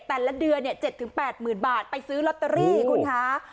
แต่ละเดือน๗๘๐๐๐บาทไปซื้อลอตเตอรี่คุณคะ